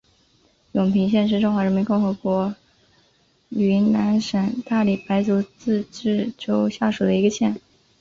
永平县是中华人民共和国云南省大理白族自治州下属的一个县。